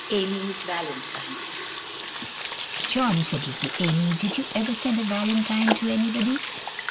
AMY'S VALENTINE. "JOHN," said little Amy, "did you ever send a valentine to anybody?"